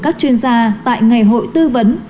các chuyên gia tại ngày hội tư vấn